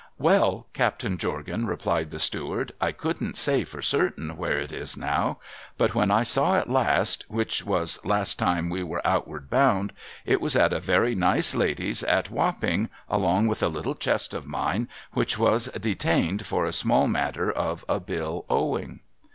' Well, Captain Jorgan,' replied the steward, ' I couldn't say for certain where it is now ; but when I sav» it last, — which was last time we were outward bound, — it was at a very nice lady's at A\'apping, along with a litde chest of mine which was detained for a small matter of a bill owing.'